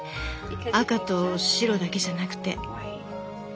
赤と白だけじゃなくて。